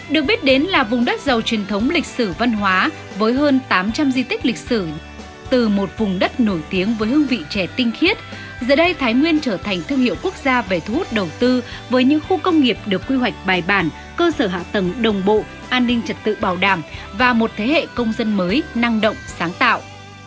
được biết đến là vùng đất giàu truyền thống lịch sử văn hóa với hơn tám trăm linh di tích lịch sử từ một vùng đất nổi tiếng với hương vị trẻ tinh khiết giờ đây thái nguyên trở thành thương hiệu quốc gia về thu hút đầu tư với những khu công nghiệp được quy hoạch bài bản cơ sở hạ tầng đồng bộ an ninh trật tự bảo đảm và một thế hệ công dân mới năng động sáng tạo